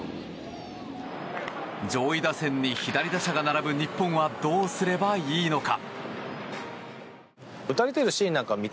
上位打線に左打者が並ぶ日本はどうすればいいのか？